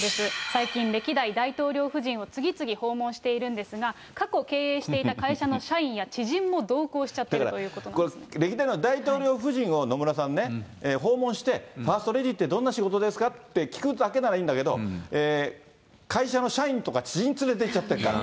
最近歴代大統領夫人を次々訪問しているんですが、過去経営していた会社の社員や知人も同行しちゃってるというだから、歴代の大統領夫人を野村さんね、訪問して、ファーストレディーってどんな仕事ですかって、聞くだけならいいんだけど、会社の社員とか知人連れて行っちゃってるから。